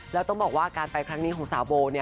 แล้วต้องบอกว่าการไปครั้งนี้ของสาวโบ